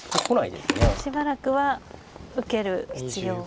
しばらくは受ける必要が。